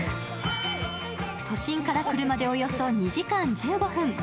都心から車でおよ２時間１５分。